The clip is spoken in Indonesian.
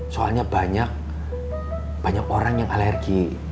soalnya banyak orang yang alergi